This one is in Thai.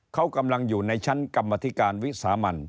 เขากำลังอยู่ในชั้นกรรมธิการวิสามัน